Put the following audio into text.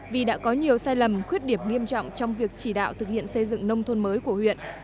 vì đã có nhiều sai lầm khuyết điểm nghiêm trọng trong việc chỉ đạo thực hiện xây dựng nông thôn mới của huyện